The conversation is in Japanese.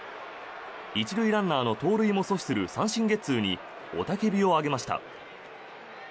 １塁ランナーの盗塁も阻止する三振ゲッツーに雄たけびを上げました。